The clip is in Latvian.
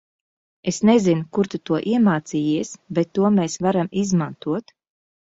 Es nezinu kur tu to iemācījies, bet to mēs varam izmantot.